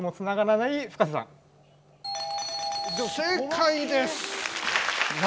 正解です。